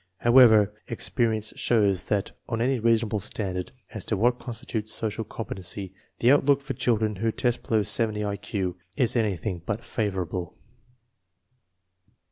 However, experience shows that, on any reasonable standard as to what constitutes social competency, the outlook for chil dren who test below 70 1 Q is anything but favorable.